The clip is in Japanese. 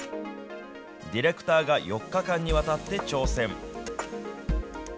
ディレクターが４日間にわたって挑戦。